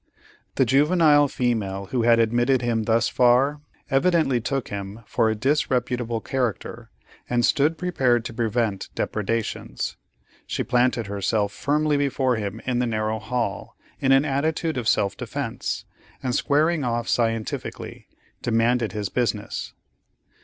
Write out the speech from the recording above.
The juvenile female who had admitted him thus far, evidently took him for a disreputable character, and stood prepared to prevent depredations. She planted herself firmly before him in the narrow hall in an attitude of self defence, and squaring off scientifically, demanded his business.